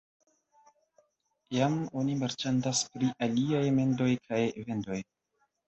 Jam oni marĉandas pri aliaj mendoj kaj vendoj.